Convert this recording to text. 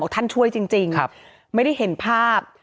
ท่านช่วยจริงไม่ได้เห็นภาพ